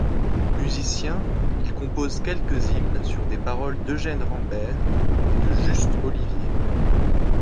Musicien, il compose quelques hymnes sur des paroles d'Eugène Rambert et de Juste Olivier.